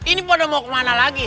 ini pada mau kemana lagi